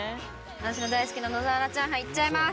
私の大好きな野沢菜炒飯いっちゃいます。